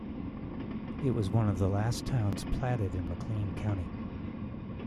It was one of the last towns platted in McLean County.